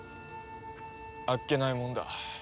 あっけないもんだ。